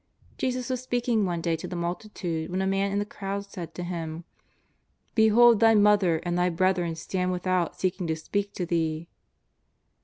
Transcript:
Jesus was speaking one day to the multitude when a man in the crowd said to Him :" Behold Thy Mother and Thy brethren stand with out seeking to speak to Thee.''